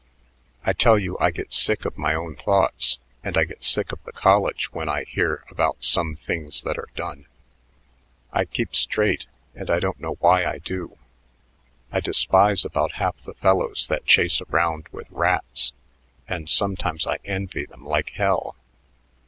I tell you I get sick of my own thoughts, and I get sick of the college when I hear about some things that are done. I keep straight, and I don't know why I do, I despise about half the fellows that chase around with rats, and sometimes I envy them like hell.